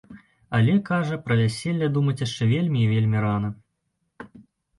Але, кажа, пра вяселле думаць яшчэ вельмі і вельмі рана.